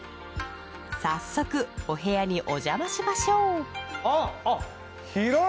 早速お部屋におじゃましましょうあっ広い！